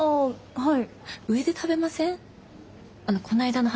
はい。